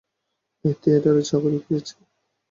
এই থিয়েটারে চাকরি পেয়েছি।